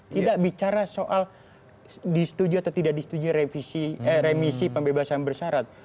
tidak bicara soal disetujui atau tidak disetujui remisi pembebasan bersyarat